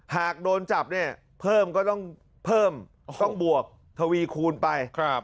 หากโดนจับเนี่ยเพิ่มก็ต้องเพิ่มต้องบวกทวีคูณไป